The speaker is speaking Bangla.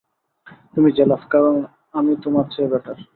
তুমি জেলাস, কারণ আমি তোমার চেয়ে বেটার।